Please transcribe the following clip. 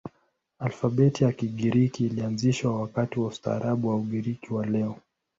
Alfabeti ya Kigiriki ilianzishwa wakati wa ustaarabu wa Ugiriki wa leo.